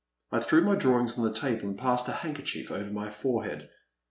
I threw my drawings on the table and passed a handkerchief over my forehead.